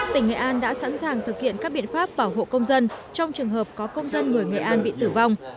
tỉnh nghệ an đã sẵn sàng thực hiện các biện pháp bảo hộ công dân trong trường hợp có công dân người nghệ an bị tử vong